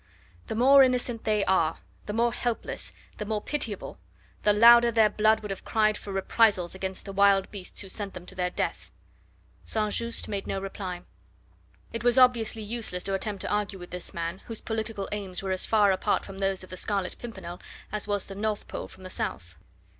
"The more innocent they were, the more helpless, the more pitiable, the louder would their blood have cried for reprisals against the wild beasts who sent them to their death." St. Just made no reply. It was obviously useless to attempt to argue with this man, whose political aims were as far apart from those of the Scarlet Pimpernel as was the North Pole from the South.